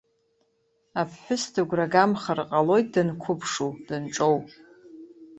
Аԥҳәыс дыгәрагамхар ҟалоит данқәыԥшу, данҿоу.